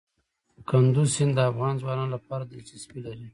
کندز سیند د افغان ځوانانو لپاره دلچسپي لري.